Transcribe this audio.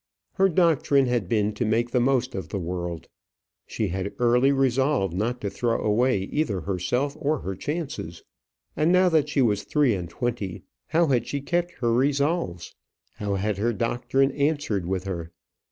Her doctrine had been to make the most of the world. She had early resolved not to throw away either herself or her chances. And now that she was three and twenty, how had she kept her resolves? how had her doctrine answered with her?